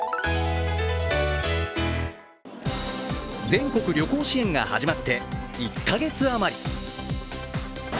全国旅行支援が始まって１か月余り。